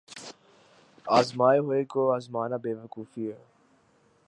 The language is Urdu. آزمائے ہوئے کو آزمانا بے وقوفی ہے۔